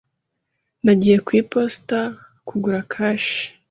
Nagiye ku iposita kugura kashe.